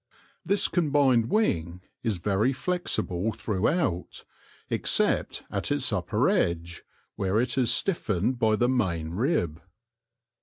This combined wing is very flexible through out, except at its upper edge, where it is stiffened by the main rib.